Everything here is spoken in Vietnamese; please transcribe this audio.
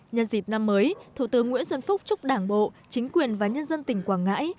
nhân dịp năm mới thủ tướng nguyễn xuân phúc chúc đảng bộ chính quyền và nhân dân tỉnh quảng ngãi